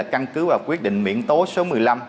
căn cứ và quyết định miễn tố số một mươi năm